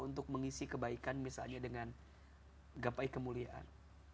untuk mengisi kebaikan misalnya dengan gapai kemuliaan